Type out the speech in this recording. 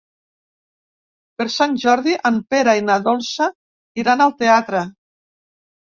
Per Sant Jordi en Pere i na Dolça iran al teatre.